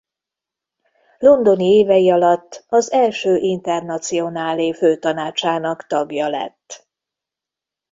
Londoni évei alatt az Első Internacionálé Főtanácsának tagja lett.